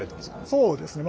そうですね。